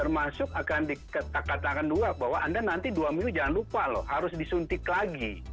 lima m jangan lupa loh harus disuntik lagi